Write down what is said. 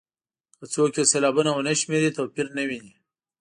که څوک یې سېلابونه ونه شمېري توپیر نه ویني.